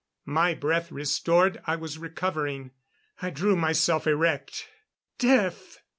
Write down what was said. My breath restored, I was recovering. I drew myself erect. Death!